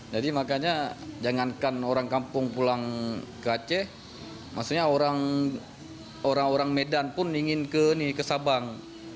jadi makanya jangankan orang kampung pulang ke aceh maksudnya orang orang medan pun ingin ke sabang